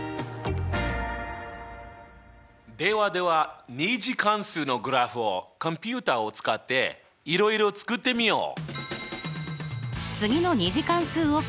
ではでは２次関数のグラフをコンピュータを使っていろいろ作ってみよう。